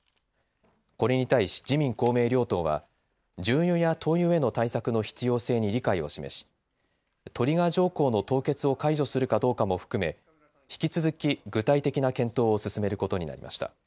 これに対し、自民、公明両党は、重油や灯油への対策の必要性に理解を示し、トリガー条項の凍結を解除するかどうかも含め、引き続き具体的な検討を進めることになりました。